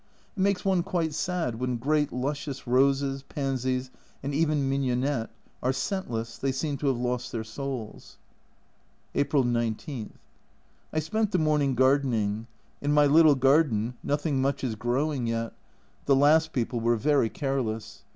It makes one quite sad when great luscious roses, pansies, and even mignonette, are scentless they seem to have lost their souls. April 19. I spent the morning gardening ; in my little garden nothing much is growing yet, the last A Journal from Japan 141 people were very careless.